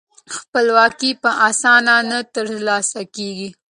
خپلواکي په اسانۍ نه ترلاسه کیږي.